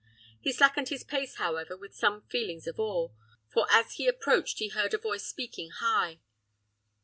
He slackened his pace, however, with some feelings of awe, for as he approached he heard a voice speaking high.